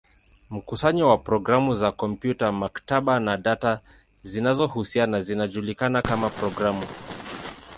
Mkusanyo wa programu za kompyuta, maktaba, na data zinazohusiana zinajulikana kama programu.